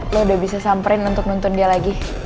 lo udah bisa samperin untuk nonton dia lagi